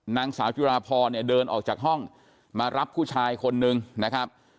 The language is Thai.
นางสาวจุราพรเนี่ยเดินออกจากห้องมารับผู้ชายคนนึงนะครับ